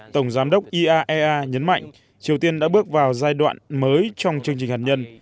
tổng giám đốc iaea nhấn mạnh triều tiên đã bước vào giai đoạn mới trong chương trình hạt nhân